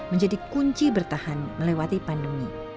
menjadi kunci bertahan melewati pandemi